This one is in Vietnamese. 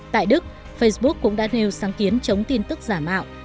tại đức facebook cũng đã nêu sáng kiến chống tin tức giả mạo